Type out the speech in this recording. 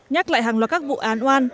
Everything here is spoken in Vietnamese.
nhắc lại hàng loạt các vụ an oan